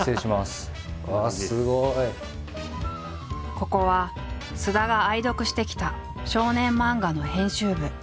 ここは菅田が愛読してきた少年漫画の編集部。